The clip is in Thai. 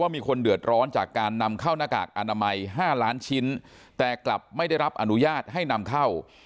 มีคนเดือดร้อนจากการนำเข้าหน้ากากอนามัย๕ล้านชิ้นแต่กลับไม่ได้รับอนุญาตให้นำเข้า